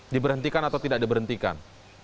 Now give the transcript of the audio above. diberhentikan atau tidak diberhentikan